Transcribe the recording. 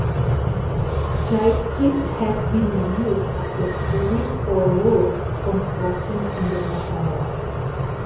Gypcrete has been used successfully for road construction in the Sahara.